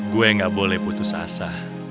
gue gak boleh putus asa